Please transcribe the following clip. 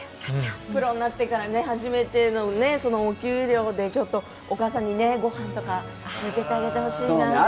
プロになってからの初めてのお給料でちょっとお母さんにご飯とか、連れていってあげてほしいなって。